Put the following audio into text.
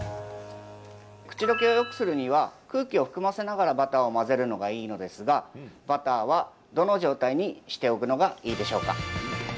口溶けをよくするには空気を含ませながらバターを混ぜるのがいいのですがバターは、どの状態にしておくのがいいでしょうか？